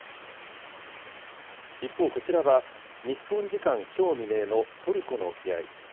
一方、こちらは日本時間きょう未明のトルコの沖合。